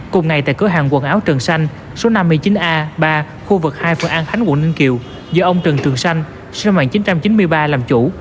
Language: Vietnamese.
cùng ngày tại cửa hàng quần áo trần xanh số năm mươi chín a ba khu vực hai phường an khánh quận ninh kiều do ông trần trường xanh sân mạng chín trăm chín mươi ba làm chủ